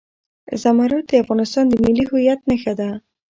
زمرد د افغانستان د ملي هویت نښه ده.